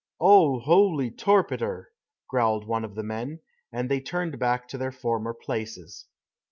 "Oh, houly torpeter!" growled one of the men, and they turned back to their former places.